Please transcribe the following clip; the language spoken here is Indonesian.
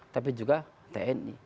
tapi juga tni